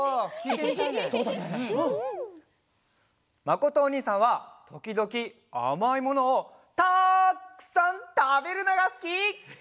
まことおにいさんはときどきあまいものをたくさんたべるのがすき！